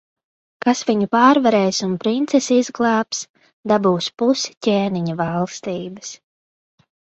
Kas viņu pārvarēs un princesi izglābs, dabūs pus ķēniņa valstības.